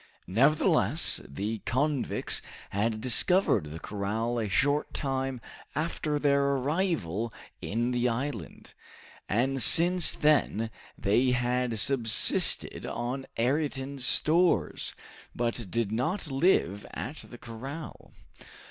Nevertheless the convicts had discovered the corral a short time after their arrival in the island, and since then they had subsisted on Ayrton's stores, but did not live at the corral.